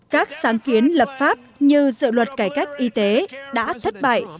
các sáng kiến lập pháp như dự luật cải cách y tế đã thất bại